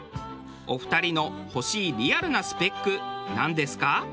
お二人の欲しいリアルなスペックなんですか？